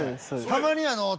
たまに。